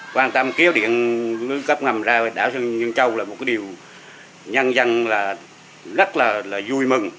quan tâm kéo điện cấp ngầm ra đảo nhơn châu là một điều nhân dân rất là vui mừng